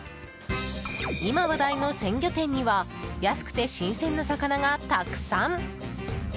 今、話題の鮮魚店には安くて新鮮な魚がたくさん。